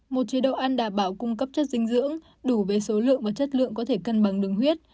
một chế độ ăn đảm bảo cung cấp chất dinh dưỡng đủ về số lượng và chất lượng có thể cân bằng đường huyết